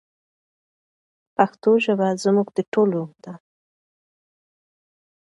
پښتو ژبه زموږ د ټولو ده.